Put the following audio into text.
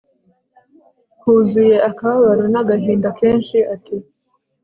kuzuye akababaro nagahinda kenshi ati